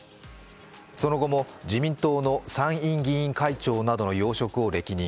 その後も自民党の参院議員会長などの要職を歴任。